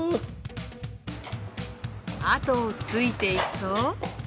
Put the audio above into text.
後をついていくと。